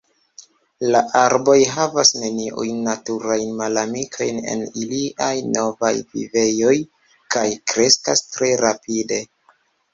La arboj havas neniujn naturajn malamikojn en iliaj novaj vivejoj kaj kreskas tre rapide.